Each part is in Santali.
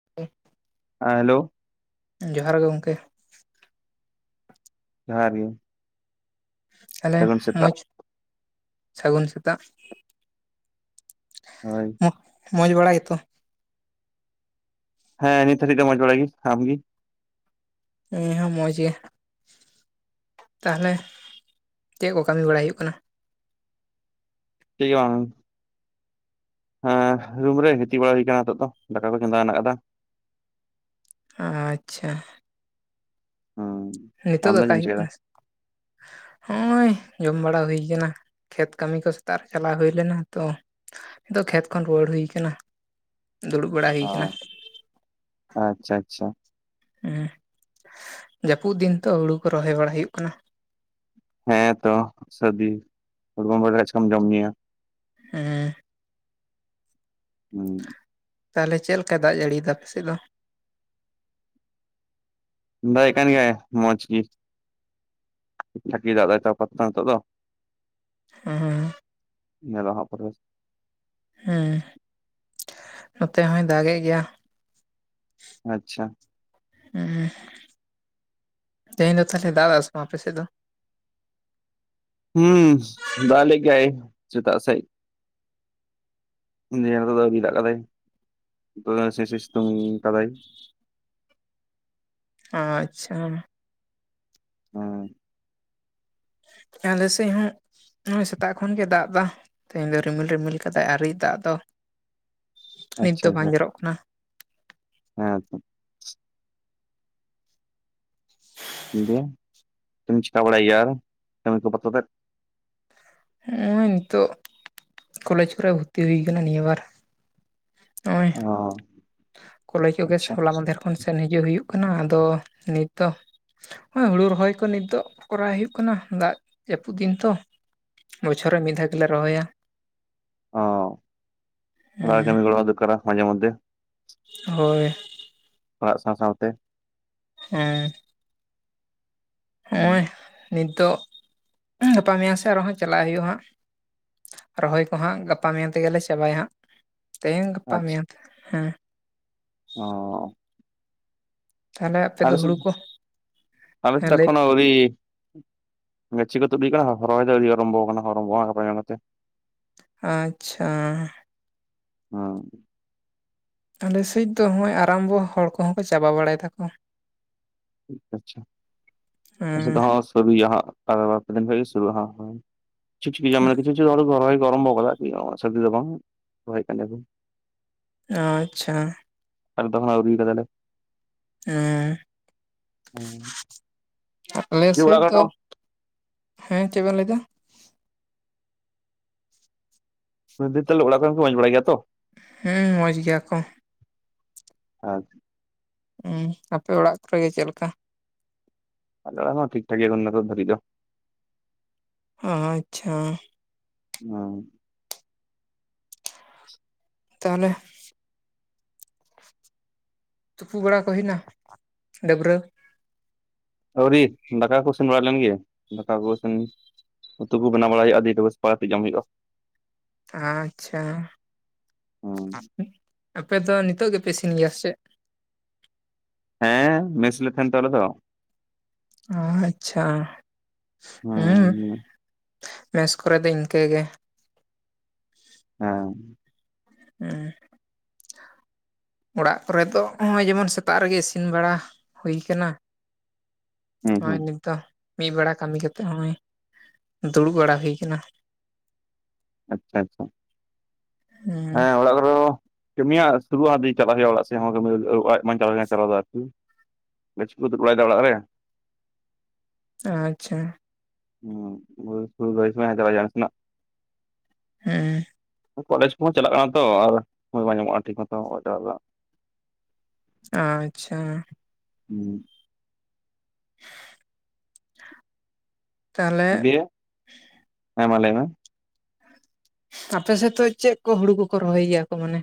[unintelligible] ᱟᱸ ᱦᱮᱞᱳ, ᱡᱚᱦᱟᱨ ᱜᱚᱝᱠᱮ᱾ ᱡᱚᱦᱟᱨ ᱜᱮ᱾ ᱛᱟᱞᱦᱮ ᱥᱟᱹᱜᱩᱱ ᱢᱚᱡᱽ ᱥᱮᱛᱟᱜ ᱥᱟᱹᱜᱩᱱ ᱥᱮᱛᱟᱜ᱾ ᱦᱳᱭ᱾ ᱢᱚᱡᱽ ᱵᱟᱲᱟ ᱜᱮᱛᱚ? ᱦᱮᱸ ᱱᱤᱛ ᱦᱟᱹᱨᱤᱡ ᱫᱚ ᱢᱚᱸᱡᱽ ᱵᱟᱲᱟ ᱜᱮ, ᱟᱢᱜᱤ? ᱤᱧ ᱦᱚᱸ ᱢᱚᱡᱽ ᱜᱮ᱾ ᱛᱟᱦᱞᱮ ᱪᱮᱜ ᱠᱚ ᱠᱟᱹᱢᱤ ᱵᱟᱲᱟᱭ ᱦᱩᱭᱩᱜ ᱠᱟᱱᱟ? ᱴᱷᱤᱼᱜᱮ ᱵᱟᱝ [inaudible] ᱨᱩᱢ ᱨᱮ ᱜᱤᱛᱤᱜ ᱵᱟᱲᱟ ᱦᱩᱭ ᱠᱟᱱᱟ ᱱᱤᱛᱚᱜ ᱫᱚ, ᱫᱟᱠᱟ ᱠᱚ ᱪᱚᱸᱫᱟ ᱦᱮᱱᱟᱜ ᱟᱠᱟᱫᱟ᱾ ᱟᱸᱪᱪᱷᱟ᱾ ᱦᱚᱸ᱾ ᱱᱮᱛᱳᱜ ᱫᱟᱠᱟ ᱦᱩᱭᱩᱜ ᱠᱟᱱᱟ᱾ [unintelligible] ᱦᱚᱸᱜᱼᱚᱭ ᱡᱚᱢ ᱵᱟᱲᱟ ᱦᱩᱭ ᱠᱟᱱᱟ ᱠᱷᱮᱛ ᱠᱟᱹᱢᱤ ᱠᱚ ᱥᱮᱛᱟᱜ ᱨᱮ ᱪᱟᱞᱟᱣ ᱦᱩᱭ ᱞᱮᱱᱟ, ᱛᱚ ᱫᱚ ᱠᱷᱮᱛ ᱠᱷᱚᱱ ᱨᱩᱣᱟᱹᱲ ᱦᱩᱭ ᱠᱟᱱᱟ, ᱫᱩᱲᱩᱵ ᱵᱟᱲᱟ ᱦᱩᱭ ᱚ ᱠᱟᱱᱟ᱾ ᱟᱪᱪᱷᱟ ᱟᱪᱪᱷᱟ᱾ ᱩᱸ ᱡᱟᱹᱯᱩᱫ ᱫᱤᱱ ᱛᱚ, ᱦᱩᱲᱩ ᱠᱚ ᱨᱚᱦᱚᱭ ᱵᱟᱲᱟ ᱦᱩᱭᱩᱜ ᱠᱟᱱᱟ᱾ ᱦᱮᱸ ᱛᱚ ᱥᱟᱹᱨᱫᱤ ᱯᱷᱴᱜᱚᱢᱚᱨᱮ ᱪᱤᱠᱟᱹᱢ ᱡᱚᱢ ᱧᱩᱭᱟ? [inaudible] ᱦᱩᱸᱻ ᱦᱩᱸ ᱛᱟᱦᱞᱮ ᱪᱮᱫᱮᱠᱟ ᱫᱟᱜ ᱡᱟᱹᱲᱤᱭᱫᱟ ᱟᱯᱮ ᱥᱮᱫ ᱫᱚ? ᱫᱟᱜᱮᱜ ᱠᱟᱱ ᱜᱮᱭᱟᱭ ᱢᱚᱸᱡᱽ ᱜᱮ᱾ ᱠᱷᱟᱪᱤ ᱫᱟᱜ ᱫᱟᱭ ᱛᱚ ᱟᱯᱟ ᱛᱚᱛᱚ ᱱᱤᱛᱚᱜ ᱫᱚ ᱾ ᱦᱚᱸ-ᱦᱚᱸ [inaudible] [unintelligible] ᱦᱩᱸ ᱱᱚᱛᱮ ᱦᱚᱸᱭ ᱫᱟᱜᱮᱜ ᱜᱮᱭᱟ᱾ ᱟᱪᱪᱷᱟ᱾ ᱦᱩᱸ ᱛᱮᱦᱮᱧ ᱫᱚ ᱛᱟᱦᱞᱮ ᱫᱟᱫᱟᱥ ᱥᱮ ᱵᱟᱝ ᱟᱯᱮ ᱥᱮᱫ ᱫᱚ? ᱦᱩᱸ ᱫᱟᱜ ᱞᱮᱜ ᱜᱮᱭᱟᱭ ᱥᱮᱛᱟᱜ ᱥᱮᱜ᱾ ᱫᱤᱭᱮ ᱫᱚ ᱟᱹᱨᱤ ᱫᱟᱜ ᱠᱟᱫᱟᱭ ᱱᱤᱛᱚᱜ ᱫᱚ ᱥᱤ ᱥᱤ ᱥᱤᱛᱩᱝ ᱠᱟᱫᱟᱭ᱾ [inaudible] ᱦᱮᱸ ᱟᱪᱷᱟ᱾ ᱦᱩᱸ᱾ ᱟᱞᱮ ᱥᱮᱜ ᱦᱚᱸ, ᱱᱚᱜᱼᱚᱭ ᱥᱮᱛᱟᱜ ᱠᱷᱚᱱ ᱜᱮ ᱫᱟᱜ ᱮᱫᱟ, ᱛᱮᱦᱮᱸᱧ ᱫᱚ ᱨᱤᱢᱤᱞ ᱨᱤᱢᱤᱞ ᱠᱟᱫᱟᱭ ᱟᱹᱣᱨᱤ ᱫᱟᱜ ᱫᱚ᱾ ᱱᱤᱛ ᱫᱚ ᱟᱪᱷᱟ ᱵᱟᱝ ᱡᱟ ᱡᱚᱨᱚᱜ ᱠᱟᱱᱟ ᱦᱮᱸ ᱫᱚ᱾ ᱫᱤᱭᱮ ᱪᱮᱢ ᱪᱤᱠᱟ ᱵᱟᱲᱟᱭ ᱜᱤᱭᱟ ᱟᱨ ᱠᱟ. ᱢᱤ ᱠᱚᱫᱚ ᱠᱟᱛᱮᱫ᱾ ᱱᱚᱜ-ᱚᱭ ᱱᱤᱛᱳᱜ ᱠᱚᱞᱮᱡᱽ ᱠᱚᱨᱮ ᱵᱷᱚᱨᱛᱤ ᱦᱩᱭ ᱟᱠᱟᱱᱟ ᱱᱤᱭᱟᱹ ᱵᱟᱨ᱾ ᱱᱚᱜᱼᱚᱭ ᱚ ᱠᱚᱞᱮᱡᱽ ᱠᱚᱜᱮ ᱟᱪᱪᱷᱟ ᱦᱚᱞᱟ ᱢᱟᱫᱷᱮᱨ ᱠᱷᱚᱱ ᱥᱮᱱ ᱦᱤᱡᱩᱜ ᱦᱩᱭᱩᱜ ᱠᱟᱱᱟ ᱟᱫᱚ ᱱᱤᱛ ᱫᱚ, ᱦᱩᱲᱩ ᱨᱚᱦᱚᱭ ᱠᱚ ᱱᱤᱛᱚᱜ ᱠᱚᱨᱟᱣ ᱦᱩᱭᱩᱜ ᱠᱟᱱᱟ ᱫᱟᱜ ᱡᱟᱹᱯᱩᱫ ᱫᱤᱱ ᱛᱚ᱾ ᱵᱚᱪᱷᱚᱨ ᱨᱮ ᱢᱤᱫ ᱫᱷᱟᱣ ᱜᱮᱞᱮ ᱨᱚᱦᱚᱭᱟ᱾ ᱚᱸᱻ ᱚᱲᱟᱜ ᱨᱮ ᱦᱮᱸ ᱠᱟᱢᱤ ᱜᱚᱲᱚ ᱫᱩᱠᱟᱹᱱᱟ ᱢᱟᱡᱷᱮ ᱢᱚᱫᱽᱫᱷᱮ᱾ ᱦᱳᱭ᱾ ᱚᱲᱟᱜ ᱥᱟᱶ ᱥᱟᱶᱛᱮ ᱦᱮᱸᱻ ᱦᱩᱸ ᱱᱚᱸᱜᱼᱚᱭ ᱱᱤᱛᱚᱜ ᱜᱟᱯᱟ ᱢᱮᱭᱟᱝ ᱥᱮ ᱟᱨᱦᱚᱸ ᱪᱟᱞᱟᱜ ᱦᱩᱭᱩᱜᱼᱟ ᱦᱟᱸᱜ᱾ ᱨᱚᱦᱚᱭ ᱠᱚᱦᱟᱸᱜ ᱜᱟᱯᱟ ᱢᱮᱭᱟᱝ ᱛᱮᱜᱮᱞᱮ ᱪᱟᱵᱟᱭᱟ ᱦᱟᱸᱜ ᱛᱮᱦᱤᱧ ᱜᱟᱯᱟ ᱢᱮᱭᱟᱝ ᱦᱮᱸ, ᱚᱸᱻ ᱛᱟᱦᱚᱞᱮ ᱟᱯᱮ ᱫᱚ ᱟᱞᱮᱥᱮᱫ, ᱦᱩᱲᱩ ᱠᱚ ᱟᱞᱮ ᱦᱮᱸ ᱥᱮᱫ ᱞᱟᱹᱭ ᱮᱠᱷᱚᱱᱚ ᱟᱣᱨᱤ ᱜᱟᱹᱪᱷᱤ ᱠᱚ ᱛᱩᱫ ᱦᱩᱭ ᱟᱠᱟᱱᱟ ᱦᱚ ᱦᱚᱨᱚᱭ ᱜᱮ ᱟᱣᱨᱤ ᱟᱨᱟᱢᱵᱷᱚ ᱟᱠᱟᱱᱟ ᱟᱨᱟᱢᱵᱷᱚ ᱠᱚ ᱧᱟᱢ ᱠᱟᱛᱮ᱾ [inaudible] ᱟᱪᱪᱷᱟ᱾ ᱦᱩᱸ᱾ ᱟᱞᱮᱥᱮᱫ ᱫᱚ ᱱᱚᱜ-ᱚᱭ ᱟᱨᱟᱢᱵᱚ ᱦᱚᱲ ᱠᱚᱦᱚᱸ ᱠᱚ ᱪᱟᱵᱟ ᱵᱟᱲᱟᱭ ᱫᱟᱠᱚ᱾ ᱴᱤᱠ ᱟᱪᱷᱮ, ᱦᱩᱸ [unintelligible] ᱪᱮ ᱪᱤᱠᱟᱹ ᱜᱟᱱ ᱢᱟᱱᱮ ᱪᱮ ᱪᱤᱠᱟᱹ ᱢᱟᱱᱮ ᱨᱚᱦᱟᱭ ᱠᱚ ᱟᱨᱟᱢᱵᱚ ᱠᱟᱫᱟ ᱟᱨᱠᱤ ᱢᱟᱱᱮ ᱥᱟᱹᱨᱫᱤ ᱨᱟᱵᱟᱝ ᱨᱚᱦᱚᱭ ᱠᱟᱱ ᱜᱮᱭᱟ ᱠᱚ᱾ ᱚ, ᱟᱪᱪᱷᱟ ᱾ ᱟᱨᱚ ᱫᱚᱲᱦᱟᱸ ᱟᱣᱨᱤ ᱠᱟᱫᱟᱞᱮ᱾ ᱦᱮᱸ ᱟᱞᱮ ᱦᱩᱸ ᱥᱮᱡ ᱚᱲᱟᱜ ᱠᱚᱨᱮ ᱫᱚ ᱦᱮᱸ ᱪᱮᱫ ᱠᱮᱱ ᱞᱟᱹᱭ ᱫᱟ? ᱞᱟᱹᱭ ᱫᱤᱧ ᱛᱟᱦᱞᱮ ᱚᱲᱟᱜ ᱠᱚᱨᱮᱱ ᱠᱚᱨᱮᱱ ᱠᱚ ᱢᱚᱸᱡᱽ ᱵᱟᱲᱟᱭ ᱜᱮᱭᱟ ᱛᱚ? ᱦᱮᱸ ᱢᱚᱡᱽ ᱜᱮᱭᱟ ᱠᱚ᱾ ᱟᱡ ᱦᱩᱸ ᱟᱯᱮ ᱚᱲᱟᱜ ᱠᱚᱨᱮ ᱜᱮ ᱪᱮᱫ ᱞᱮᱠᱟ? ᱟᱞᱮ ᱚᱲᱟᱜ ᱦᱚᱸ ᱴᱷᱤᱠ ᱴᱟᱠ ᱜᱮᱭᱟ ᱠᱚ ᱱᱤᱛᱚᱜ ᱫᱷᱟᱹᱨᱤᱡ ᱫᱚ᱾ ᱟᱦᱚ ᱟᱪᱪᱷᱟ᱾ [unintelligible] ᱛᱟᱦᱞᱮ ᱛᱩᱯᱩ ᱵᱟᱲᱟ ᱠᱚ ᱦᱩᱭᱮᱱᱟ ᱰᱟᱹᱵᱨᱟᱹ? ᱟᱹᱣᱨᱤ, ᱫᱟᱠᱟ ᱠᱚ ᱤᱥᱤᱱ ᱵᱟᱲᱟ ᱞᱮᱱ ᱜᱮ, ᱫᱟᱠᱟ ᱠᱚ ᱤᱥᱤᱱ ᱩᱛᱩ ᱠᱚ ᱵᱮᱱᱟᱣ ᱵᱟᱲᱟ ᱦᱩᱭᱩᱜᱼᱟ ᱵᱮ ᱵᱮᱵᱚᱥᱛᱟ [unintelligible] ᱡᱚᱢ ᱦᱩᱭᱩᱜᱼᱟ᱾ ᱟᱪᱪᱷᱟ, ᱦᱩᱸ ᱟᱯᱮ ᱫᱚ ᱱᱤᱛᱚᱜ ᱜᱮᱯᱮ ᱤᱥᱤᱱ ᱜᱮᱭᱟ ᱥᱮ ᱪᱮᱫ? ᱦᱮᱸ ᱢᱮᱥ ᱨᱮᱞᱮ ᱛᱟᱦᱮᱸᱱ ᱛᱚ ᱟᱞᱮ ᱫᱚ ᱾ ᱟᱪᱪᱷᱟ ᱦᱩᱸ ᱢᱮᱥ ᱠᱚᱨᱮ ᱫᱚ ᱤᱱᱠᱟᱹ ᱜᱮ᱾ ᱦᱮᱸ ᱾ ᱦᱩᱸ ᱾ ᱚᱲᱟᱜ ᱠᱚᱨᱮ ᱫᱚ ᱦᱚᱜᱼᱚᱭ ᱡᱮᱢᱚᱱ ᱥᱮᱛᱟᱜ ᱨᱮᱜᱮ ᱤᱥᱤᱱ ᱵᱟᱲᱟ ᱦᱩᱭ ᱭᱟᱠᱟᱱᱟ᱾ ᱦᱩᱸ ᱦᱚᱭ ᱦᱩᱸ ᱱᱤᱛ ᱫᱚ ᱾ ᱢᱤᱫ ᱵᱮᱲᱟ ᱠᱟᱹᱢᱤ ᱠᱟᱛᱮᱜ ᱦᱚᱜ-ᱚᱭ, ᱫᱩᱲᱩᱵ ᱵᱟᱲᱟ ᱦᱩᱭ ᱟᱠᱟᱱᱟ᱾ ᱟᱪᱪᱷᱟ ᱟᱪᱪᱷᱟ ᱦᱩᱸ ᱦᱮᱸ ᱚᱲᱟᱜ ᱦᱚᱸ ᱾ ᱠᱟᱹᱢᱤᱭᱟ ᱥᱩᱨᱩᱜ-ᱟ ᱦᱟᱸᱜ ᱪᱟᱞᱟᱜ ᱦᱩᱭᱩᱜᱼᱟ ᱚᱲᱟᱜ ᱥᱮᱫ ᱦᱚᱸ [unintelligible] ᱪᱟᱞᱟᱣ ᱟᱨᱠᱤ ᱢᱮᱪ ᱠᱚ ᱛᱩᱫ ᱵᱟᱲᱟ ᱮᱫᱟ ᱚᱲᱟᱜ ᱨᱮ᱾ ᱟᱪᱪᱷᱟ ᱾ ᱦᱩᱸ [unintelligible] ᱦᱩᱸ ᱾ ᱠᱚᱞᱮᱡᱽ ᱠᱚᱦᱚᱸ ᱪᱟᱞᱟᱜ ᱠᱟᱱᱟ ᱛᱚ ᱟᱨ ᱢᱚᱭ ᱵᱟᱝ ᱧᱟᱢᱚᱜᱼᱟ ᱠᱟᱱᱟ ᱴᱷᱤᱠ ᱢᱚᱛᱚ ᱚᱲᱟᱜ ᱪᱟᱞᱟᱜ ᱨᱮᱱᱟᱜ ᱾ ᱟᱪᱪᱷᱟ ᱾ ᱦᱩᱸ ᱾ ᱛᱟᱦᱚᱞᱮ ᱫᱮ, ᱦᱮᱸ ᱢᱟ ᱞᱟᱹᱭ ᱢᱮ? ᱟᱯᱮᱥᱮᱫ ᱫᱚ ᱪᱮᱫ ᱠᱚ ᱦᱩᱲᱩ ᱠᱚᱠᱚ ᱨᱚᱦᱚᱭ ᱜᱮᱭᱟ ᱠᱚ ᱢᱟᱱᱮ?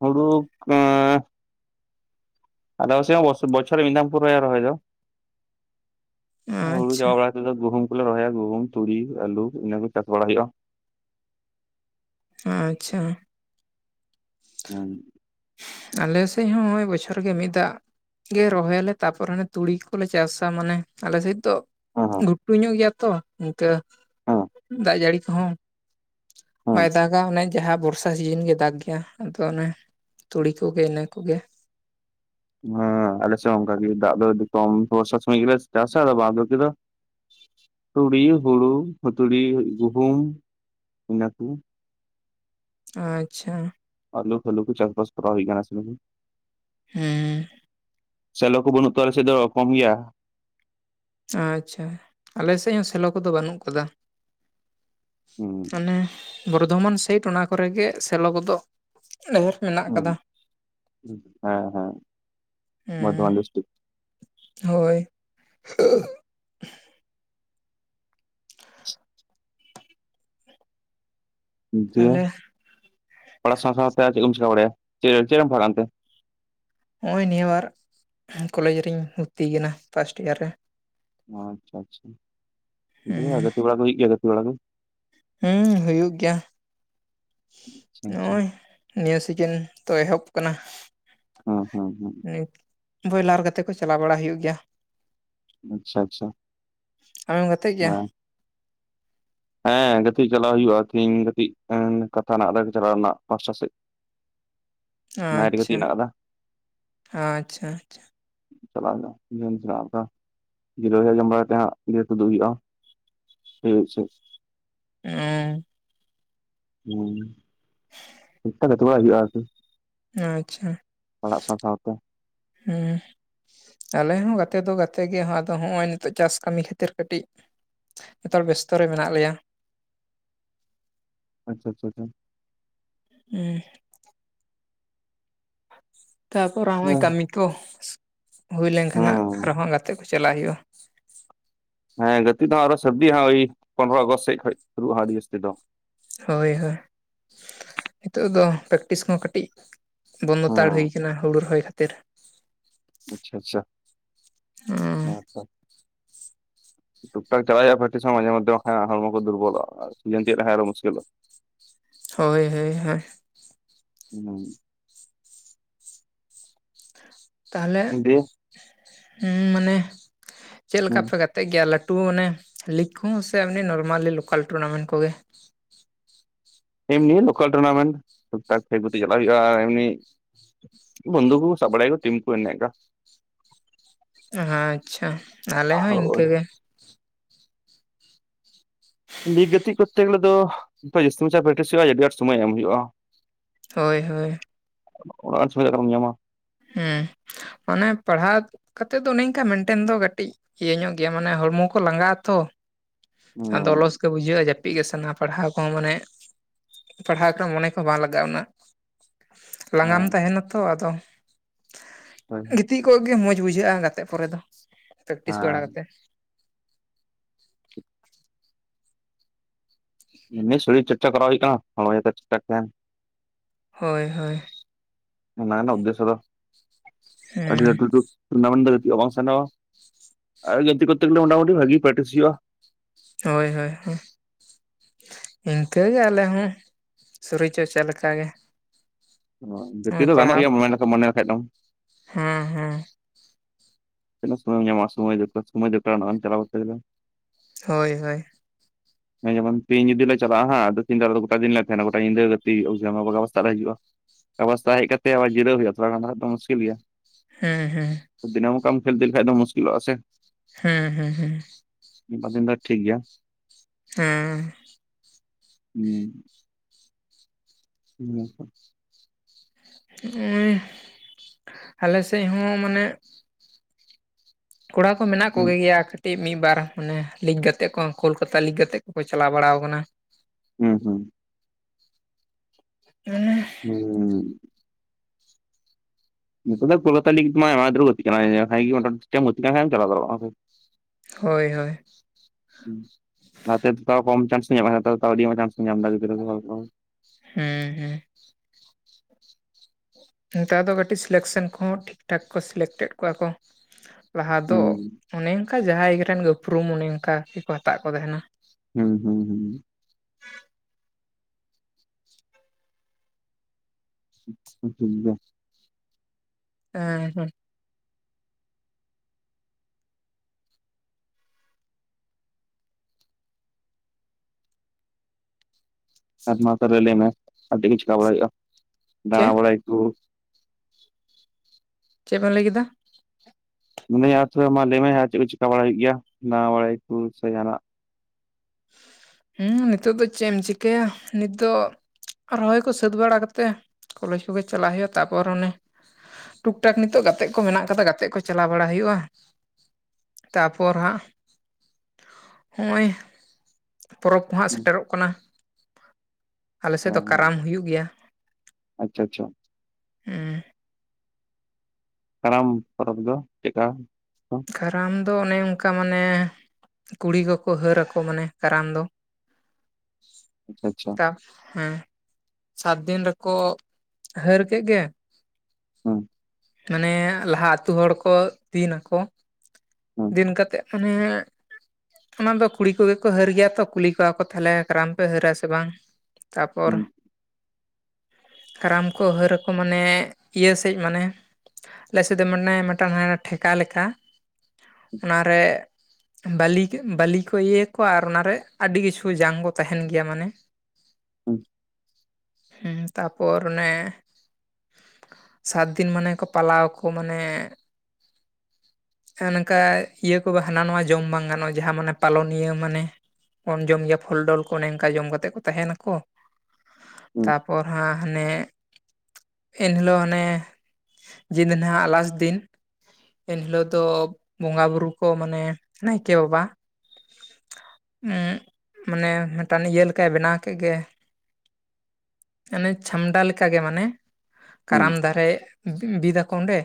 ᱦᱩᱲᱩ ᱠᱚᱸ ᱾ ᱟᱞᱮ ᱥᱮᱫ ᱦᱚᱸ ᱵᱚᱥᱚ ᱵᱚᱪᱷᱚᱨ ᱨᱮ ᱢᱤᱫ ᱫᱷᱟᱣ ᱜᱮ ᱠᱚ ᱨᱚᱦᱚᱭᱟ ᱨᱚᱦᱚᱭ ᱫᱚ ᱦᱩᱲᱩ ᱟᱪᱪᱷᱟ ᱪᱟᱵᱟ ᱵᱟᱲᱟ ᱟᱞᱮ ᱫᱚ ᱜᱩᱦᱩᱢ ᱠᱚᱞᱮ ᱨᱚᱦᱚᱭᱟ ᱜᱩᱦᱩᱢ, ᱛᱩᱲᱤ, ᱟᱞᱩ ᱤᱱᱟᱹ ᱠᱚ ᱪᱟᱥ ᱵᱟᱲᱟ ᱦᱩᱭᱩᱜᱼᱟ᱾ ᱟᱪᱪᱷᱟ ᱾ ᱦᱩᱸ ᱾ ᱟᱞᱮ ᱥᱮᱫ ᱦᱚᱸ ᱱᱚᱜᱼᱚᱭ ᱵᱚᱪᱷᱚᱨ ᱨᱮ ᱢᱤᱫ ᱫᱟᱜ ᱜᱮ ᱨᱚᱦᱚᱭᱟᱞᱮ ᱛᱟᱨᱯᱚᱨ ᱟᱱᱮ ᱛᱩᱲᱤ ᱠᱚᱞᱮ ᱪᱟᱥᱟ ᱢᱟᱱᱮ ᱟᱞᱮᱥᱮᱫ ᱫᱚ ᱚ ᱦᱚᱸ ᱜᱷᱩᱴᱩ ᱧᱚᱜ ᱜᱮᱭᱟ ᱛᱚ ᱤᱱᱠᱟᱹ ᱦᱩᱸ ᱦᱩᱸ ᱫᱟᱜ ᱡᱟᱹᱲᱤ ᱠᱚᱦᱚᱸ ᱵᱟᱭ ᱦᱮᱸ ᱫᱟᱜᱟ ᱚᱱᱮ ᱡᱟᱦᱟᱸ ᱵᱚᱨᱥᱟ ᱥᱤᱡᱤᱱ ᱜᱮ ᱫᱟᱜᱽ ᱜᱮᱭᱟ ᱟᱫᱚ ᱚᱱᱮ ᱛᱩᱲᱤ ᱠᱚᱜᱮ ᱤᱱᱟᱹᱠᱜᱮ᱾ ᱦᱮᱸ ᱟᱞᱮᱥᱮᱜ ᱦᱚᱸ ᱚᱱᱠᱟ ᱜᱮ ᱫᱟᱜ ᱫᱚ ᱠᱚᱢ ᱵᱚᱨᱥᱟ ᱥᱩᱚᱢᱚᱭ ᱜᱮᱞᱮ ᱪᱟᱥ-ᱟ ᱟᱫᱚ ᱵᱟᱫ ᱵᱟᱠᱤ ᱫᱚ ᱛᱩᱲᱤ ᱦᱩᱲᱩ ᱦᱩ ᱛᱩᱩᱲᱤ ᱜᱩᱦᱩᱢ ᱤᱱᱟᱹ ᱠᱩ ᱟᱪᱪᱷᱟ ᱟᱞᱩ ᱯᱷᱟᱞᱩ ᱠᱩ ᱪᱟᱥ ᱵᱟᱥ ᱠᱚᱨᱟᱣ ᱦᱩᱭ ᱠᱟᱱᱟ ᱦᱮᱸᱻ ᱥᱮᱞᱚ ᱠᱩ ᱵᱟᱹᱱᱩᱜ ᱛᱚ ᱟᱞᱮ ᱥᱮᱜ ᱫᱩ‌ ᱠᱚᱢ ᱜᱮᱭᱟ᱾ ᱟᱪᱪᱷᱟ ᱟᱞᱮ ᱥᱮᱜ ᱦᱚᱸ ᱥᱮᱞᱚ ᱠᱚᱫᱚ ᱵᱟᱹᱱᱩᱜ ᱠᱟᱫᱟ᱾ ᱦᱩᱸ ᱚᱱᱮ ᱵᱚᱨᱫᱷᱚᱢᱟᱱ ᱥᱟᱭᱴ ᱚᱱᱟ ᱠᱚᱨᱮ ᱜᱮ ᱥᱮᱞᱚ ᱜᱫᱚ ᱰᱷᱮᱨ ᱢᱮᱱᱟᱜ ᱦᱩ ᱠᱟᱫᱟ ᱦᱮᱸ ᱦᱮᱸ ᱦᱩᱸ ᱵᱚᱨᱫᱷᱚᱢᱟᱱ ᱰᱤᱥᱴᱤᱠ᱾ ᱦᱳᱭ ᱡᱮ ᱛᱟᱦᱞᱮ ᱯᱟᱨᱦᱟᱜ ᱥᱟᱶ ᱥᱟᱶᱛᱮ ᱪᱮᱫ ᱠᱚᱢ ᱪᱤᱠᱟᱹ ᱵᱟᱲᱟᱭᱟ ᱪᱮ ᱪᱮᱜ ᱮᱢ ᱨᱮᱢ ᱯᱟᱨᱦᱟᱜᱼᱟ ᱠᱟᱱ ᱛᱮ? ᱱᱚᱜᱼᱚᱭ ᱱᱤᱭᱟᱹ ᱵᱟᱨ ᱠᱚᱞᱮᱡᱽ ᱨᱤᱧ ᱵᱷᱩᱨᱛᱤ ᱠᱟᱱᱟ ᱯᱷᱟᱥᱴ ᱤᱭᱟᱨ ᱨᱮ ᱚ ᱟᱪᱪᱷᱟ ᱟᱪᱪᱷᱟ ᱦᱩᱸ ᱜᱟᱛᱮ ᱵᱟᱲᱟ ᱠᱚ ᱦᱩᱭᱩᱜ ᱜᱤᱭᱟ ᱜᱟᱛᱮ ᱵᱟᱲᱟ ᱠᱚ? ᱦᱩᱸ ᱷᱩᱦᱩᱭᱜᱱᱴᱷ ᱟᱪᱪᱷᱟ ᱜᱮ ᱟᱪᱪᱷᱟ ᱱᱤᱭᱟᱹ ᱥᱤᱡᱤᱱ ᱫᱚ ᱮᱦᱚᱵ ᱠᱟᱱᱟ᱾ ᱦᱚᱸ ᱦᱚᱸ ᱵᱚᱭᱞᱟᱨ ᱜᱟᱛᱮ ᱠᱚ ᱪᱟᱞᱟᱣ ᱵᱟᱲᱟ ᱦᱩᱭᱩᱜ ᱜᱮᱭᱟ᱾ ᱟᱪᱪᱷᱟ ᱟᱪᱪᱷᱟ ᱟᱢᱮᱢ ᱜᱟᱛᱮᱜ ᱜᱮᱭᱟ? ᱦᱮᱸ ᱦᱮᱸ ᱜᱟᱛᱮᱜ ᱪᱟᱞᱟᱜᱣ ᱦᱩᱭᱩᱜᱼᱟ ᱛᱦᱤᱧ ᱠᱟᱴᱤᱜ ᱠᱟᱛᱷᱟ ᱢᱮᱱᱟᱜ ᱪᱟᱞᱟᱣ ᱨᱮᱱᱟᱜ ᱯᱟᱸᱪᱴᱟ ᱥᱮᱫ᱾ [unintelligible] ᱜᱟᱛᱮᱜ ᱟᱪᱪᱷᱟ, ᱦᱮᱱᱟᱜ ᱟᱠᱟᱫᱟ ᱟᱪᱪᱷᱟ ᱟᱪᱪᱷᱟ ᱪᱟᱞᱟᱣ ᱦᱤᱞᱚᱜ ᱡᱩᱫᱤᱢ ᱪᱟᱣ ᱠᱚᱜ-ᱟ ᱡᱤᱨᱟᱹᱣ ᱡᱚᱢ ᱵᱟᱲᱟ ᱛᱮ ᱦᱟᱸᱜ ᱡᱮᱷᱮᱛᱩ ᱫᱮᱨᱤᱜ-ᱟ ᱴᱦᱤᱜᱟᱪᱷᱮ ᱚᱸ ᱦᱩᱸ᱾ [unintelligible] ᱦᱤᱡᱩᱜ-ᱟ ᱟᱨᱠᱤ ᱟᱪᱪᱷᱟ ᱯᱟᱲᱦᱟᱜ ᱥᱟᱶ ᱥᱟᱶᱛᱮ ᱦᱩᱸ ᱾ ᱟᱞᱮ ᱦᱚᱸ ᱜᱟᱛᱮ ᱫᱚ ᱜᱟᱛᱮ ᱜᱮ ᱟᱫᱚ ᱦᱚᱸᱜ-ᱚᱭ ᱱᱤᱛᱚᱜ ᱪᱟᱥ ᱠᱟᱢᱤ ᱠᱷᱟᱹᱛᱤᱨ ᱠᱟᱹᱴᱤᱡᱼᱼ ᱡᱷᱚᱛᱚ ᱦᱚᱲ ᱵᱮᱥᱛᱚ ᱨᱮ ᱢᱮᱱᱟᱜ ᱞᱮᱭᱟ᱾ ᱟᱪᱪᱷᱟ ᱟᱪᱷᱟ ᱟᱪᱟ᱾ ᱦᱩᱸ ᱛᱟᱯᱚᱨᱮ ᱦᱚᱸᱜᱼᱚᱭ ᱦᱮᱸ ᱠᱟᱢᱤ ᱠᱚ ᱥᱩ ᱦᱩᱭ ᱞᱮᱱᱠᱷᱟᱱ ᱱᱟᱜ ᱦᱮᱸ ᱟᱨᱦᱚᱸ ᱜᱟᱛᱮ ᱠᱚ ᱪᱟᱞᱟᱜ ᱦᱩᱭᱩᱜ-ᱟ᱾ ᱦᱮᱸ ᱜᱟᱹᱛᱤᱜ ᱫᱚ ᱦᱟᱸᱜ ᱟᱨᱚ ᱥᱟᱹᱨᱫᱤ ᱦᱟᱸᱜ ᱳᱭ ᱯᱚᱱᱫᱽᱨᱚ ᱟᱜᱚᱥ ᱥᱮᱡ ᱠᱷᱚᱡ ᱥᱩᱨᱩᱜ-ᱟ ᱦᱟᱸᱜ ᱟᱹᱰᱤ ᱡᱟᱹᱥᱛᱤ ᱫᱚ᱾‌ ᱦᱳᱭ ᱦᱳᱭ ᱱᱤᱛᱚᱜ ᱫᱚ ᱯᱮᱠᱴᱤᱥ ᱠᱚᱸ ᱠᱟᱹᱴᱤᱡᱼᱼ ᱵᱚᱱᱫᱚ ᱛᱟᱲ ᱦᱩᱭ ᱦᱮᱸ ᱠᱟᱱᱟ ᱦᱩᱲᱩ ᱨᱚᱦᱚᱭ ᱠᱷᱟᱹᱛᱤᱨ᱾ ᱟᱪᱪᱷᱟ ᱟᱪᱷᱟ ᱾ ᱴᱩᱠᱴᱟᱠ ᱴᱟᱠᱟ ᱪᱟᱞᱟᱣ ᱦᱩᱭᱩᱜ-ᱟ ᱯᱮᱠᱴᱤᱥ ᱦᱚᱸ ᱢᱟᱡᱷᱮ ‌ᱢᱚᱫᱽᱫᱷᱮ ᱦᱮᱸ ᱦᱚᱲᱢᱚ ᱠᱚ ᱫᱩᱨᱵᱚᱞᱚᱜ-ᱟ ᱟᱨ ᱥᱤᱡᱟᱹᱱ ᱛᱤᱭᱟᱹᱜ ᱞᱮᱠᱷᱟᱡ ᱟᱨᱚ ᱢᱩᱥᱠᱤᱞᱚᱜ᱾ [unintelligible] ᱦᱳᱭ ᱦᱳᱭ ᱦᱚᱭ [unintelligible] ᱛᱟᱦᱚᱞᱮ ᱫᱤᱭᱮ ᱦᱩᱸ ᱢᱟᱱᱮ ᱪᱮᱜ ᱦᱩᱸ ᱞᱮᱠᱟ ᱯᱮ ᱜᱟᱼᱼ ᱛᱮᱜ ᱜᱮᱭᱟ ᱞᱟᱹᱴᱩ ᱢᱟᱱᱮ ᱞᱤᱜᱽ ᱠᱚᱦᱚᱸ ᱥᱮ ᱮᱢᱱᱤ ᱱᱚᱨᱢᱟᱞᱤ ᱞᱳᱠᱟᱞ ᱴᱩᱨᱱᱟᱢᱮᱱᱴ ᱠᱚᱜᱮ᱾ ᱮᱢᱱᱤ ᱞᱳᱠᱟᱞ ᱴᱩᱨᱱᱟᱢᱮᱱᱴ ᱴᱷᱩᱠ ᱴᱷᱟᱠ ᱮ ᱜᱩᱛᱤ ᱪᱟᱞᱟᱜ ᱦᱩᱭᱩᱜ-ᱟ᱾ ᱮᱢᱱᱤᱼᱼ ᱵᱚᱱᱫᱷᱩ ᱠᱩ ᱠᱩ ᱥᱟᱵ ᱵᱟᱲᱟᱭ ᱟᱠᱚ ᱴᱤᱢ ᱠᱩ ᱮᱱᱮ ᱮᱸᱠᱟ ᱾ ᱦᱟᱸᱪᱪᱷᱟ ᱟᱞᱮ ᱦᱚᱸ ᱦᱳᱭ ᱤᱱᱠᱟᱹ ᱜᱮ᱾ ᱞᱤᱜ ᱜᱟᱹᱛᱤᱜ ᱠᱳᱛᱛᱮ ᱜᱮᱞᱮ ᱫᱚ ᱛᱚ ᱡᱟᱹᱥᱛᱤ ᱢᱟᱪᱷᱟ ᱯᱨᱮᱠᱴᱤᱥ ᱦᱩᱭᱩᱜ-ᱟ᱾ ᱟᱹᱰᱤ ᱟᱸᱴ ᱥᱳᱢᱳᱭ ᱮᱢ ᱦᱩᱭᱩᱜ-ᱟ᱾ ᱦᱳᱭ ᱦᱳᱭ᱾ [unintelligible] ᱥᱚᱢᱚᱭ ᱟᱨ ᱦᱚᱢ ᱧᱟᱢᱟ᱾ ᱦᱩᱸ ᱚᱱᱮ ᱯᱟᱲᱦᱟᱜᱼᱼ ᱠᱟᱛᱮᱜ ᱫᱚ ᱚᱱᱮ ᱮᱝᱠᱟ ᱢᱮᱱᱴᱮᱱ ᱫᱚ ᱠᱟᱹᱴᱤᱡ ᱤᱭᱟᱹ, ᱧᱚᱜ ᱜᱮᱭᱟ ᱢᱟᱱᱮ ᱦᱚᱲᱢᱚ ᱠᱚ ᱞᱟᱸᱜᱟᱜ ᱟᱛᱚ᱾ ᱟᱫᱚ ᱞᱚᱥ ᱜᱮ ᱵᱩᱡᱷᱟᱹᱜ-ᱟ᱾ ᱡᱟᱼᱼ ᱯᱤᱜ ᱜᱮ ᱥᱟᱱᱟ -ᱟ ᱯᱟᱲᱦᱟᱣ ᱠᱚᱦᱚᱸ ᱢᱟᱱᱮ ᱯᱟᱲᱦᱟᱣ ᱠᱚ ᱢᱚᱱᱮ ᱠᱚᱦᱚᱸ ᱵᱟᱝ ᱞᱟᱜᱟᱜ ᱩᱱᱟᱹᱜ ᱾ ᱞᱟᱸᱜᱟᱢ ᱦᱮᱸ ᱛᱟᱦᱮᱱᱟ ᱛᱚ ᱟᱫᱚᱼᱼ ᱦᱳᱭ ᱜᱤᱛᱤᱡ ᱠᱚ ᱜᱮ ᱢᱚᱡᱽ ᱵᱩᱡᱷᱟᱹᱜ-ᱟ᱾ ᱜᱟᱛᱮᱜ ᱯᱚᱨᱮ ᱫᱚ ᱯᱮᱠᱴᱤᱥ ᱵᱟᱲᱟ ᱦᱮᱸ ᱠᱟᱛᱮᱜ᱾ [unintelligible] ᱪᱚᱨᱪᱟᱣ ᱠᱚ ᱦᱚᱸ ᱦᱩᱭᱩᱜ ᱛᱟᱢᱟ ᱚᱱᱟ ᱤᱭᱟᱹ ᱛᱮ ᱴᱟᱠ ᱦᱚᱢᱼᱼ ᱦᱳᱭ ᱦᱳᱭ᱾ ᱚᱱᱟ ᱨᱮᱱᱟᱜ ᱩᱫᱽᱫᱮᱥᱚ ᱫᱚ ᱟᱹᱰᱤ ᱦᱩᱸ ᱞᱟᱹᱴᱩ ᱞᱟᱹᱴᱩ ᱼᱼ ᱴᱩᱨᱱᱟᱢᱮᱱᱴ ᱫᱚ ᱜᱟᱹᱛᱤᱜ ᱦᱚᱸ ᱵᱟᱝ ᱥᱟᱱᱟᱣᱟ ᱟᱨ [unintelligible] ᱢᱚᱴᱟᱼᱢᱩᱴᱤ ᱵᱷᱟᱹᱜᱤ ᱯᱮᱠᱴᱤᱥ ᱦᱩᱭᱩᱜ-ᱟ᱾ ᱦᱳᱭ ᱦᱳᱭ ᱦᱚᱭ᱾ ᱤᱱᱠᱟᱹ ᱜᱮ ᱟᱞᱮ ᱦᱚᱸ ᱥᱚᱨᱤ ᱪᱚᱨᱪᱟ ᱞᱮᱠᱟ ᱜᱮ᱾ [unintelligible] ᱫᱚ ᱜᱟᱱᱚᱜ ᱜᱮᱭᱟ ᱢᱮᱱ ᱢᱚᱱᱮ ᱞᱮ ᱠᱷᱟᱡ ᱫᱚᱢ᱾ ᱦᱩᱸ ᱦᱩᱸ᱾ ᱛᱤᱱᱟᱹᱜ ᱥᱚᱢᱚᱭ ᱮᱢ ᱧᱟᱢᱟ ᱟ᱾ ᱥᱩᱢᱟᱹᱭ ᱡᱚᱛᱚ ᱥᱩᱢᱟᱹᱭ ᱡᱚᱛᱚ ᱟᱱ ᱪᱟᱞᱟᱣ ᱠᱟᱛᱮᱜ ᱫᱚᱼᱼ ᱦᱳᱭ ᱦᱳᱭ᱾ [inaudible] ᱦᱮᱸ ᱡᱮᱢᱚᱱ ᱛᱤᱦᱤᱧ ᱡᱩᱫᱤ ᱞᱮ ᱪᱟᱞᱟᱜ-ᱟ᱾ ᱦᱟᱸᱜ ᱟᱫᱚ ᱛᱤᱦᱤᱧ ᱫᱚ ᱟᱞᱮ‌ ᱫᱚ ᱜᱚᱴᱟ ᱫᱤᱱ ᱞᱮ ᱛᱮᱦᱮᱱᱟ ᱜᱚᱴᱟ ᱧᱤᱫᱟᱹ ᱞᱮ ᱜᱟᱹᱛᱤ ᱦᱩᱭᱩᱜ-ᱟ᱾ ᱵᱩᱡᱷᱟᱹᱣ ᱢᱟ ᱵᱚᱜᱟ ᱥᱮᱛᱟᱜ ᱞᱮ ᱦᱤᱡᱩᱜ-ᱟ᱾ ᱜᱟᱯᱟ ᱥᱮᱛᱟᱜ ᱦᱮᱡ ᱠᱟᱛᱮᱜ ᱟᱵᱟᱨ ᱡᱤᱨᱟᱹᱣ ᱦᱩᱭᱩᱜ-ᱟ᱾ ᱛᱷᱚᱲᱟ ᱜᱟᱱ ᱫᱚ ᱦᱟᱸᱜ ᱛᱚ ᱢᱩᱥᱠᱤᱞ ᱜᱮᱭᱟ᱾ ᱦᱩᱸ ᱦᱩᱸ᱾ ᱫᱤᱱᱟᱹᱢ ᱚᱠᱟᱢ ᱠᱷᱮᱞ ᱤᱫᱤᱜ ᱠᱷᱟᱡ ᱫᱚ ᱢᱩᱥᱠᱤᱞᱚᱜ-ᱟ ᱥᱮ᱾ ᱦᱩᱸ ᱦᱩᱸ ᱦᱩᱸ᱾ ᱢᱤᱫ ᱵᱟᱨ ᱫᱤᱱ ᱫᱚ ᱴᱷᱤᱠ ᱜᱮᱭᱟ᱾ ᱦᱮᱸᱻ᱾ ᱦᱩᱸ᱾ [unintelligible] ᱩᱻ ᱟᱞᱮ ᱥᱮᱫ ᱦᱚᱸ ᱢᱟᱱᱮ ᱠᱚᱲᱟ ᱠᱚ ᱢᱮᱱᱟᱜ ᱠᱚᱜᱮ ᱜᱮᱭᱟ ᱴᱤᱡ ᱢᱤᱫ ᱵᱟᱨ ᱢᱟᱱᱮ ᱞᱤᱠ ᱜᱟᱛᱮᱜ ᱠᱚ ᱠᱳᱞᱠᱟᱛᱟ ᱞᱤᱠ ᱜᱟᱛᱮᱜ ᱠᱚ ᱠᱚ ᱪᱟᱞᱟᱣ ᱵᱟᱲᱟ ᱠᱟᱱᱟ᱾ ᱦᱩᱸ ᱦᱩᱸ᱾ ᱢᱟᱱᱮ ᱦᱩᱻ [unintelligible] ᱫᱚ ᱠᱳᱞᱠᱟᱛᱟ ᱞᱟᱹᱜᱽ ᱢᱟ ᱟᱭᱢᱟ ᱜᱤᱫᱽᱨᱟᱹ ᱠᱚ ᱜᱟᱛᱮᱜ ᱠᱟᱱᱟ᱾ ᱡᱟᱦᱟᱸᱭ ᱜᱮ [unintelligible] ᱜᱟᱛᱮ ᱞᱮᱱ ᱠᱷᱟᱱ ᱪᱟᱞᱟᱣ ᱜᱚᱫᱟᱜ-ᱟ᱾ ᱦᱳᱭ ᱦᱳᱭ᱾ ᱞᱟᱦᱟ ᱛᱮ ᱛᱟᱣ ᱠᱚᱢ ᱪᱟᱱᱥ ᱠᱚ ᱧᱟᱢ, [unintelligible] ᱟᱹᱰᱤ ᱟᱭᱢᱟ ᱪᱟᱱᱥ ᱠᱚ ᱧᱟᱢ ᱫᱟ ᱜᱤᱫᱽᱨᱟᱹ ᱠᱚ ᱦᱩᱸ ᱦᱩᱸ᱾ ᱱᱮᱛᱟᱨ ᱫᱚ ᱠᱟᱴᱤᱡ ᱥᱤᱞᱮᱠᱥᱮᱱ ᱠᱚᱦᱚᱸ ᱴᱷᱤᱠ ᱴᱷᱟᱠ ᱠᱚ ᱥᱤᱞᱮᱠᱴ ᱮᱫ ᱠᱚᱣᱟ ᱠᱚ᱾ ᱞᱟᱦᱟ ᱫᱚ ᱦᱩᱸ ᱚᱱᱮ ᱚᱱᱠᱟ ᱡᱟᱦᱟᱸᱭ ᱜᱮᱨᱮᱱ ᱩᱯᱨᱩᱢ ᱚᱱᱮ ᱚᱱᱠᱟ ᱜᱮᱠᱚ ᱦᱟᱛᱟᱣ ᱮᱫ ᱠᱚ ᱛᱟᱦᱮᱱᱟ᱾ ᱦᱩᱸ ᱦᱩᱸ ᱦᱩᱸ᱾ ᱦᱩᱸ ᱴᱷᱤᱠ ᱜᱮᱭᱟ᱾ ᱮᱸ ᱦᱮᱸ᱾ ᱟᱨ ᱢᱟ ᱛᱚᱵᱮ ᱞᱟᱹᱭ ᱢᱮ ᱟᱨ ᱪᱮᱫ ᱠᱚ ᱪᱤᱠᱟ ᱵᱟᱲᱟᱭ ᱦᱩᱭᱩᱜᱼᱟ ᱪᱮᱫ ᱫᱟᱬᱟ ᱵᱟᱲᱟᱭ ᱠᱩ᱾ ᱪᱮᱜ ᱵᱮᱱ ᱞᱟᱹᱭ ᱠᱮᱫᱟ? ᱢᱟᱱᱮ ᱟᱨ ᱛᱷᱚᱲᱟ ᱢᱟ ᱞᱟᱹᱭ ᱢᱮ ᱱᱤᱭᱟᱹᱟᱛᱩ ᱨᱮ ᱢᱟ ᱞᱟᱹᱭ ᱢᱮ ᱪᱮᱫ ᱠᱚ ᱪᱤᱠᱟ ᱵᱟᱲᱟᱭ ᱦᱩᱭᱩᱜ ᱜᱮᱭᱟ ᱫᱟᱬᱟ ᱵᱟᱲᱟᱭ ᱠᱚ ᱥᱮ ᱡᱟᱦᱟᱸᱱᱟᱜ? ᱦᱩᱸᱢ ᱱᱤᱛᱚᱜ ᱫᱚ ᱪᱮᱫ ᱮᱢ ᱪᱤᱠᱟᱹᱭᱟ ᱱᱤᱛ ᱫᱚ᱾ ᱨᱚᱦᱚᱭ ᱠᱚ ᱥᱟᱹᱛ ᱵᱟᱲᱟ ᱠᱟᱛᱮ ᱠᱚᱞᱮᱡᱽ ᱠᱚᱜᱮ ᱪᱟᱞᱟᱜ ᱦᱩᱭᱩᱜᱼᱟ ᱛᱟᱯᱚᱨ ᱚᱱᱮ ᱴᱩᱠ ᱴᱟᱠ ᱱᱤᱛᱚᱜ ᱜᱟᱛᱮᱜ ᱠᱚ ᱢᱮᱱᱟᱜ ᱠᱟᱫᱟ ᱜᱟᱛᱮᱜ ᱠᱚ ᱪᱟᱞᱟᱣ ᱵᱟᱲᱟ ᱦᱩᱭᱩᱜᱼᱟ᱾ ᱛᱟᱯᱚᱨ ᱦᱟᱸᱜ--ᱦᱚᱸᱜᱼᱚᱭ᱾ ᱯᱚᱨᱚᱵᱽ ᱠᱚ ᱦᱟᱸᱜ ᱦᱮᱸ ᱥᱮᱴᱮᱨᱚᱜ ᱠᱟᱱᱟ᱾ ᱟᱞᱮᱥᱮᱫ ᱫᱚ ᱦᱮᱸ ᱠᱟᱨᱟᱢ ᱦᱩᱭᱩᱜ ᱜᱮᱭᱟ᱾ ᱟᱪᱪᱷᱟ ᱟᱪᱪᱷᱟ ᱦᱩᱸ᱾ ᱠᱟᱨᱟᱢ ᱯᱚᱨᱚᱵᱽ ᱫᱚ ᱪᱮᱜᱠᱟ? ᱠᱟᱨᱟᱢ ᱫᱚ ᱚᱱᱮ ᱚᱱᱠᱟ ᱢᱟᱱᱮ ᱠᱩᱲᱤ ᱠᱚᱠᱚ ᱦᱟᱹᱨ ᱟᱠᱚ ᱢᱟᱱᱮ ᱠᱟᱨᱟᱢ ᱫᱚ᱾ ᱟᱪᱪᱷᱟᱻᱻᱟᱪᱪᱷᱟ᱾ ᱦᱩᱸ ᱥᱟᱛ ᱫᱤᱱ ᱨᱮᱠᱚ ᱦᱟᱹᱨ ᱠᱮᱜ ᱜᱮ᱾ ᱦᱩᱸᱻ ᱢᱟᱱᱮ ᱞᱟᱦᱟ ᱟᱛᱩ ᱦᱚᱲ ᱠᱚ ᱫᱤᱱ ᱟᱠᱚ᱾ ᱦᱩᱸ ᱫᱤᱱ ᱠᱟᱛᱮᱫ ᱠᱷᱚᱱᱮ᱾ ᱚᱱᱟ ᱫᱚ ᱠᱩᱲᱤ ᱠᱚᱜᱮ ᱠᱚ ᱦᱟᱹᱨ ᱜᱮᱭᱟ ᱛᱚ ᱠᱩᱞᱤ ᱠᱚᱣᱟ ᱠᱚ ᱛᱟᱦᱞᱮ ᱠᱟᱨᱟᱢ ᱯᱮ ᱦᱟᱹᱨᱟ ᱥᱮ ᱵᱟᱝ? ᱛᱟᱯᱚᱨ ᱦᱩᱸ ᱠᱟᱨᱟᱢ ᱠᱚ ᱦᱟᱹᱨ ᱟᱠᱚ ᱢᱟᱱᱮ ᱤᱭᱟᱹ ᱥᱮᱡ ᱢᱟᱱᱮ ᱟᱞᱮ ᱥᱮᱫ ᱫᱚ ᱢᱟᱱᱮ ᱢᱤᱫᱴᱟᱝ ᱱᱮ ᱴᱷᱮᱠᱟ ᱞᱮᱠᱟ, ᱚᱱᱟᱨᱮ ᱵᱟᱞᱤ ᱵᱟᱞᱤ ᱠᱚ ᱤᱭᱟᱹᱭᱟᱠᱚ ᱟᱨ ᱚᱱᱟᱨᱮ ᱟᱰᱤ ᱠᱤᱪᱷᱩ ᱡᱟᱝ ᱠᱚ ᱛᱟᱦᱮᱱ ᱜᱮᱭᱟ ᱢᱟᱱᱮ [unintelligible] ᱦᱩᱸᱛᱟᱯᱚᱨ ᱚᱱᱮ, ᱥᱟᱛ ᱫᱤᱱ ᱢᱟᱱᱮ ᱠᱚ ᱯᱟᱞᱟᱣ ᱟᱠᱚ ᱢᱟᱱᱮ ᱦᱮᱸ ᱱᱚᱝᱠᱟ ᱤᱭᱟᱹ ᱠᱚ ᱜᱮ ᱦᱟᱱᱟ ᱱᱟᱣᱟ ᱡᱚᱢ ᱵᱟᱝ ᱜᱟᱱᱚᱜᱼᱟ ᱡᱟᱦᱟᱸ ᱢᱟᱱᱮ ᱯᱟᱞᱚᱱᱤᱭᱟᱹ ᱢᱟᱱᱮ ᱵᱚᱱ ᱡᱚᱢ ᱜᱮᱭᱟ ᱯᱷᱚᱞᱰᱚᱞ ᱠᱚ ᱚᱱᱮ ᱚᱱᱠᱟ ᱡᱚᱢ ᱠᱟᱛᱮᱫ ᱠᱚ ᱛᱟᱦᱮᱱᱟᱠᱚ᱾ ᱦᱩᱸ ᱛᱟᱯᱚᱨ ᱦᱟᱸᱜ ᱦᱟᱱᱮ ᱮᱱᱦᱤᱞᱳᱜ ᱦᱟᱱᱮ ᱡᱮ ᱫᱤᱱᱦᱟᱜ ᱞᱟᱥᱴ ᱫᱤᱱ ᱮᱱᱦᱤᱞᱳᱜ ᱫᱚ ᱵᱚᱸᱜᱟ ᱵᱩᱨᱩ ᱠᱚ ᱢᱟᱱᱮ ᱱᱟᱭᱠᱮ ᱵᱟᱵᱟ ᱩᱸ ᱢᱟᱱᱮ ᱢᱤᱫᱴᱟᱱ ᱤᱭᱟᱹ ᱞᱮᱠᱟᱭ ᱵᱮᱱᱟᱣ ᱠᱮᱫ ᱜᱮ ᱚᱱᱮ ᱪᱷᱟᱢᱰᱟ ᱞᱮᱠᱟ ᱜᱮ ᱢᱟᱱᱮ ᱦᱩᱸ ᱠᱟᱨᱟᱢ ᱫᱟᱨᱮ ᱵᱤᱫᱟᱠᱚ ᱚᱸᱰᱮ᱾